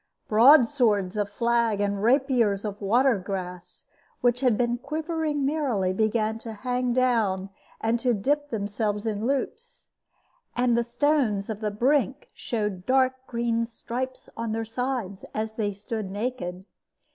Broadswords of flag and rapiers of water grass, which had been quivering merrily, began to hang down and to dip themselves in loops, and the stones of the brink showed dark green stripes on their sides as they stood naked.